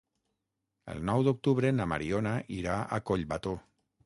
El nou d'octubre na Mariona irà a Collbató.